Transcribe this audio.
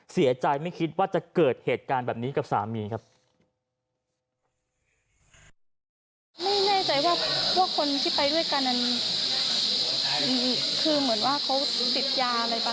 เสียใจไม่คิดว่าจะเกิดเหตุการณ์แบบนี้กับสามีครับ